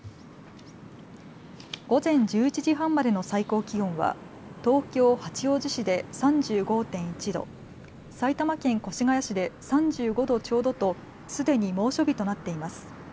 午前１１時半までの最高気温は東京八王子市で３５．１度、埼玉県越谷市で３５度ちょうどとすでに猛暑日となっています。